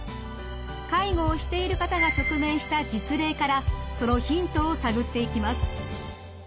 介護をしている方が直面した実例からそのヒントを探っていきます！